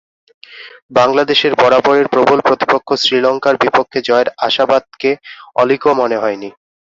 বাংলাদেশের বরাবরের প্রবল প্রতিপক্ষ শ্রীলঙ্কার বিপক্ষে জয়ের আশাবাদকে অলীকও মনে হয়নি।